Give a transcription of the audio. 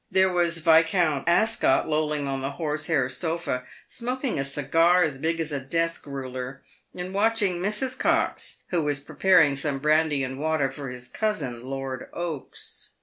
There was Yiscount Ascot lolling on the horsehair sofa, smoking a cigar as big as a desk ruler, and watching Mrs. Cox, who was preparing some brandy and water for his cousin, Lord Oaks.